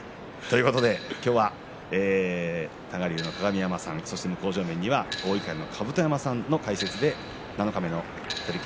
今日は多賀竜の鏡山さんそして向正面には大碇の甲山さんの解説で七日目の取組